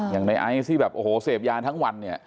อย่างในไอซ์ที่แบบโอ้โหเสพยาทั้งวันเนี่ย